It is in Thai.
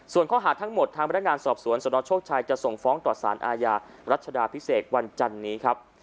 ส่วนข้อหาทั้งหมดทางพนักงานสอบสวนสนโชคชัยจะส่งฟ้องต่อสารอาญารัชดาพิเศษวันจันนี้ครับ